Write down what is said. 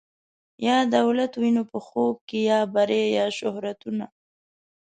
یا دولت وینو په خوب کي یا بری یا شهرتونه